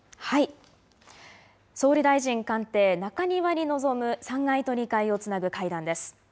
総理大臣官邸、中庭に臨む３階と２階をつなぐ階段です。